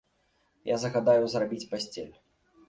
Я загадаю зрабіць пасцель.